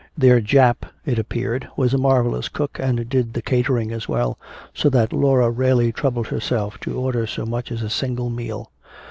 Their Jap, it appeared, was a marvellous cook and did the catering as well, so that Laura rarely troubled herself to order so much as a single meal.